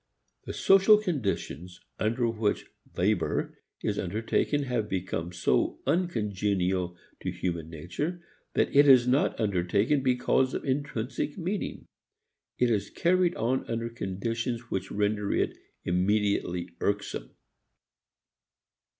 The social conditions under which "labor" is undertaken have become so uncongenial to human nature that it is not undertaken because of intrinsic meaning. It is carried on under conditions which render it immediately irksome.